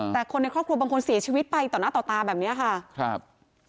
แต่คนในครอบครัวบางคนเสียชีวิตไปต่อหน้าต่อตาแบบนี้ค่ะครับ